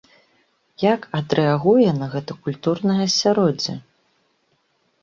Як адрэагуе на гэта культурнае асяроддзе?